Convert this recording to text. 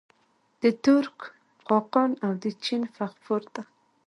د ترک خاقان او د چین فغفور ته.